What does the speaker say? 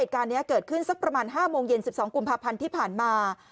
เหตุการณ์นี้เกิดขึ้นสักประมาณ๕โมงเย็น๑๒กุมภาพันธ์ที่ผ่านมา